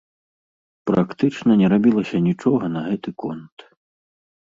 Практычна не рабілася нічога на гэты конт.